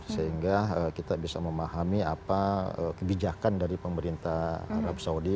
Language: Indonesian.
sehingga kita bisa memahami apa kebijakan dari pemerintah arab saudi